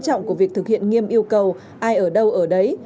quan trọng của việc thực hiện nghiêm yêu cầu ai ở đâu ở đấy